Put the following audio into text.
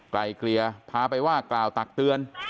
ไกลเกลี่ยพาไปว่ากล่าวตักเตือน